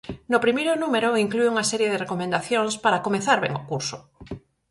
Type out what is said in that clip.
No primeiro número inclúe unha serie de recomendacións para "comezar ben o curso".